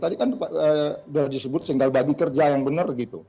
tadi kan sudah disebut single bagi kerja yang benar gitu